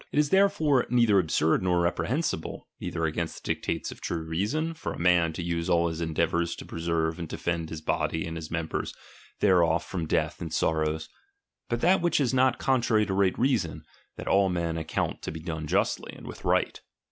It is therefore neither absurd nor reprehensible, neither against the dictates of true reason, for a man to use all his endeavours to preserve and de fend his body and the members thereof from death and sorrows. But that which is not contrary to right reason, that all men account to be done "lastly, and with right.